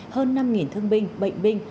hơn năm thương binh bệnh binh